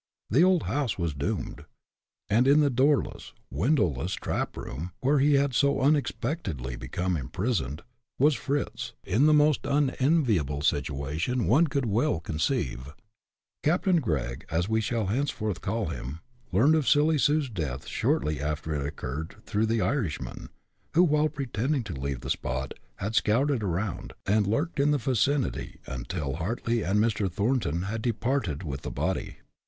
The old house was doomed. And in the doorless, windowless trap room, where he had so unexpectedly become imprisoned, was Fritz, in the most unenviable situation one could well conceive. Captain Gregg, as we shall henceforth call him, learned of Silly Sue's death shortly after it occurred through the Irishman, who, while pretending to leave the spot, had scouted around, and lurked in the vicinity until Hartly and Mr. Thornton had departed with the body.